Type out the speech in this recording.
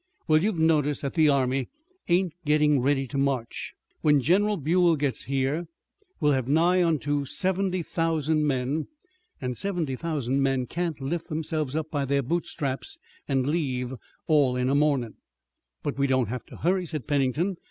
"Well, you've noticed that the army ain't gettin' ready to march. When General Buell gets here we'll have nigh onto seventy thousand men, and seventy thousand men can't lift themselves up by their bootstraps an' leave, all in a mornin'." "But we don't have to hurry," said Pennington.